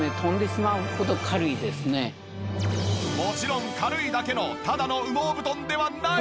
もちろん軽いだけのただの羽毛布団ではない！